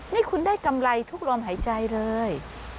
นี่คุณได้กำไรทุกลมหายใจเลย